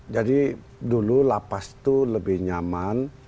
jadi dulu lapas itu lebih nyaman